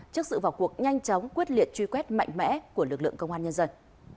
trước sự vào cuộc nhanh chóng quyết liệt truy quét mạnh mẽ của lực lượng công an nhân dân